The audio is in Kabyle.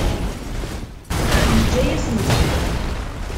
Yeǧǧa-yasen-tt-id?